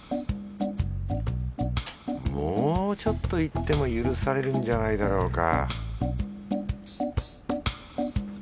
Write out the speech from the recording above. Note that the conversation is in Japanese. もうちょっといっても許されるんじゃないだろうか